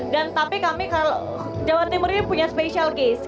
dan tapi kami kalau jawa timur ini punya special case